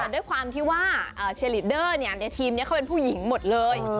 ด้วยความที่ว่าเชียลีดเดอร์ในทีมนี้เขาเป็นผู้หญิงหมดเลย